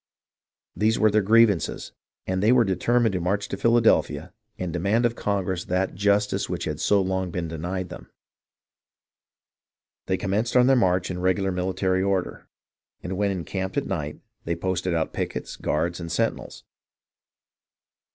These were their grievances, and they were determined to march to Phila delphia, and demand of Congress that justice which had so long been denied them. They commenced their march in regular military order, and, when encamped at night, they posted out pickets, guards, and sentinels.